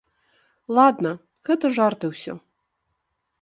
Ладна, гэта жарты ўсё.